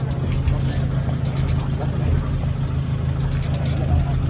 ขอโทษนะครับ